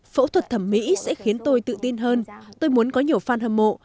phẫu thuật thẩm mỹ sẽ khiến tôi tự tin hơn tôi muốn có nhiều fan hâm mộ